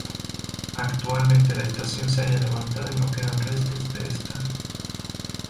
Actualmente la estación se halla levantada y no quedan restos de esta.